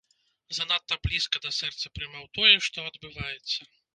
Занадта блізка да сэрца прымаў тое, што адбываецца.